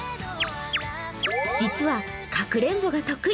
実は、かくれんぼが得意。